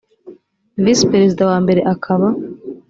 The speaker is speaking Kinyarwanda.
visi perezida wa mbere akaba